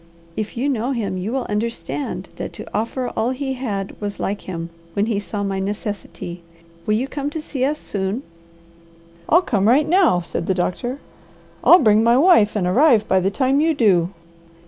"If you know him, you will understand that to offer all he had was like him, when he saw my necessity. You will come to see us soon?" "I'll come right now," said the doctor. "I'll bring my wife and arrive by the time you do."